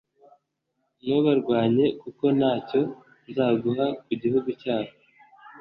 ntubarwanye, kuko nta cyo nzaguha ku gihugu cyabo